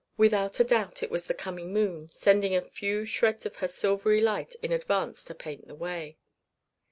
Without a doubt it was the coming moon, sending a few shreds of her silvery light in advance to paint the way.